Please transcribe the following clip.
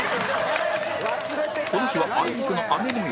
この日はあいにくの雨模様